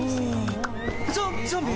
ゾゾンビ！